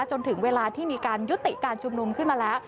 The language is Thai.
จนถึงเวลาที่มีการยุติการชุมนุมขึ้นมาแล้ว